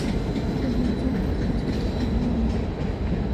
Comen insectos, a los que capturan en el aire.